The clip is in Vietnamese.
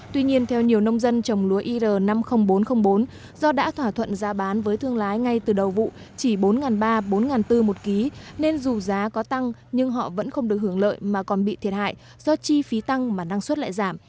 tuy nhiên theo nhiều nông dân trồng lúa ir năm mươi nghìn bốn trăm linh bốn do đã thỏa thuận ra bán với thương lái ngay từ đầu vụ chỉ bốn ba trăm linh bốn bốn trăm linh đồng một kg nên dù giá có tăng nhưng họ vẫn không được hưởng lợi mà còn bị thiệt hại do chi phí tăng mà năng suất lại giảm